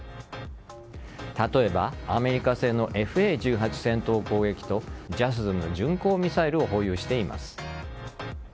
例えばアメリカ製のＦ／Ａ‐１８戦闘攻撃機とＪＡＳＳＭ巡航ミサイルを保有しています。